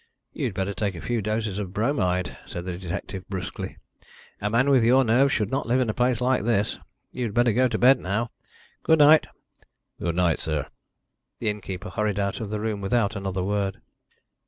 "You'd better take a few doses of bromide," said the detective brusquely. "A man with your nerves should not live in a place like this. You had better go to bed now. Good night." "Good night, sir." The innkeeper hurried out of the room without another word.